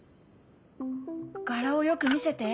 柄をよく見せて。